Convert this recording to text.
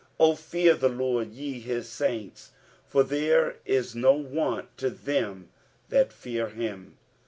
9 O fear the Lord, ye his saints : for there is no want to them that fear htm.